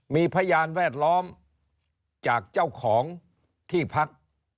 มีพยานแวดล้อมจากเจ้าของที่พัก